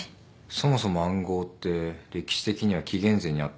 そもそも暗号って歴史的には紀元前にあったみたいで。